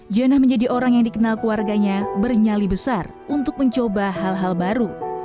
jana menjadi orang yang dikenal keluarganya bernyali besar untuk mencoba hal hal baru